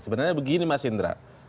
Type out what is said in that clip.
sebenarnya begini mas indra